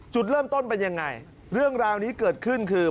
จุดเริ่มต้นเป็นยังไงเรื่องราวนี้เกิดขึ้นคือ